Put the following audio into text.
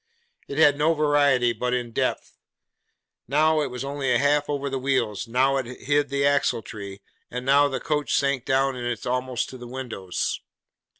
It had no variety but in depth. Now it was only half over the wheels, now it hid the axletree, and now the coach sank down in it almost to the windows.